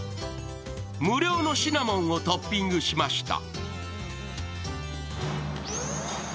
無料のシナモンをトッピングしました。